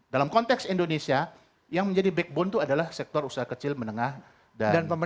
dalam konteks indonesia yang menjadi backbone itu adalah sektor usaha kecil menengah